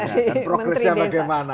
dan progressnya bagaimana